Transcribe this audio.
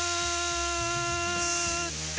って